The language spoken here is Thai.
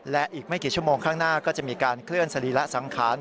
และอีกไม่กี่ชั่วโมงข้างหน้าก็จะมีการเคลื่อนสรีระสังขาร